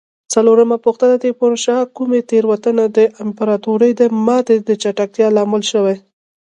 څلورمه پوښتنه: د تیمورشاه کومې تېروتنه د امپراتورۍ د ماتې د چټکتیا لامل شوې؟